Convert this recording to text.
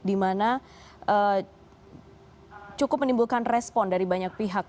dimana cukup menimbulkan respon dari banyak pihak